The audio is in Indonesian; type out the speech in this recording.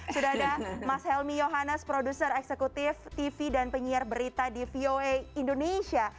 sudah ada mas helmi yohanes produser eksekutif tv dan penyiar berita di voa indonesia